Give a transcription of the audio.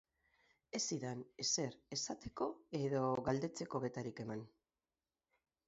Ez zidan ezer esateko edo galdetzeko betarik eman.